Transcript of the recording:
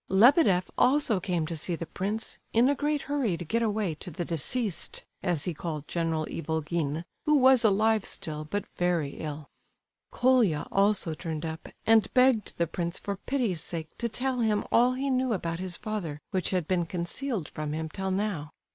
Lebedeff also came to see the prince, in a great hurry to get away to the "deceased," as he called General Ivolgin, who was alive still, but very ill. Colia also turned up, and begged the prince for pity's sake to tell him all he knew about his father which had been concealed from him till now.